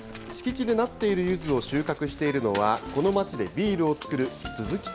敷地でなっているゆずを収穫しているのは、この町でビールを造るゆず？